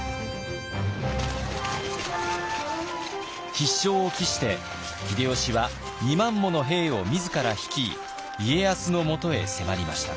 必勝を期して秀吉は２万もの兵を自ら率い家康のもとへ迫りました。